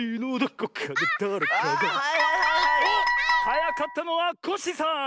はやかったのはコッシーさん！